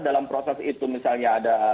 dalam proses itu misalnya ada